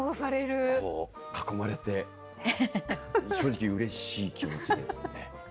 こう囲まれて正直うれしい気持ちですね。